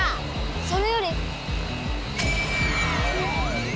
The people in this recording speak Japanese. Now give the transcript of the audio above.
それより！